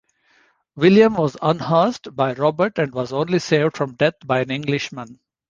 William was unhorsed by Robert and was only saved from death by an Englishman.